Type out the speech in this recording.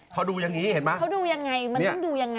เขาดูยังไงมันต้องดูยังไงค่ะ